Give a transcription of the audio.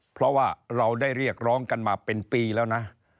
เพราะว่าเราได้เรียกร้องกันมาเป็นปีแล้วนะ